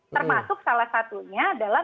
termasuk salah satunya adalah